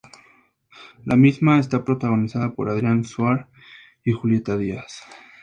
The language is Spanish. La misma está protagonizada por Adrián Suar y Julieta Díaz.